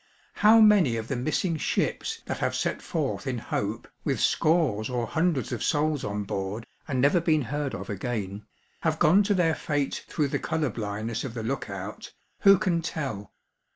How many of the 'missing ships' that have set forth in hope, with scores or hundreds of souls on board, and never been heard of again, have gone to their fate through the colour blindness of the 'look out,' who can tell?